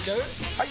・はい！